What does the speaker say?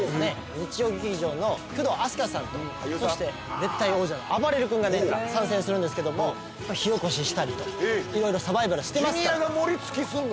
日曜劇場の工藤阿須加さんとそして絶対王者のあばれる君がね参戦するんですけども火おこししたりといろいろサバイバルしてますからジュニアがモリ突きすんの？